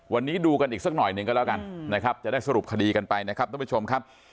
วันนี้ดูกันอีกสักหน่อยหนึ่งก็แล้วกันนะครับจะได้สรุปคดีกันไปนะครับท่านผู้ชมครับ